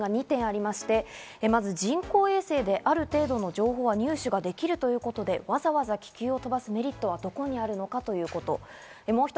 ただ、不自然な点、２点ありまして、まず人工衛星である程度の情報は入手ができるということで、わざわざ気球を飛ばすメリットは、どこにあるのかということ。